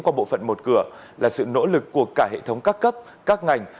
qua bộ phận một cửa là sự nỗ lực của cả hệ thống các cấp các ngành